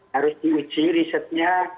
harus diuji risetnya